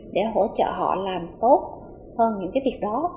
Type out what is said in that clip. để hỗ trợ họ làm tốt hơn những cái việc đó